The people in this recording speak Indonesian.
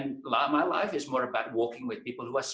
dan hidup saya lebih tentang bekerja dengan orang yang lebih bijak dariku